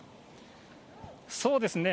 そうですね。